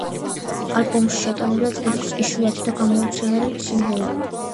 ალბომში შეტანილია ჯგუფის იშვიათი და გამოუცემელი სიმღერები.